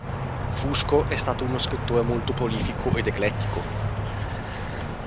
Fusco è stato uno scrittore molto prolifico ed eclettico.